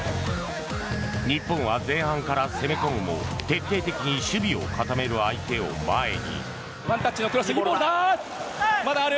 日本は前半から攻め込むも徹底的に守備を固める相手を前に。